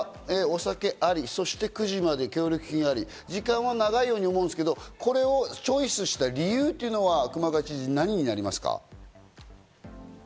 千葉はお酒あり、９時まで、協力金あり、時間も長いように思いますが、これをチョイスした理由というのは何になりますか？